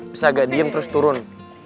bisa ga diem terus turun